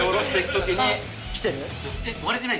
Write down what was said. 割れてない？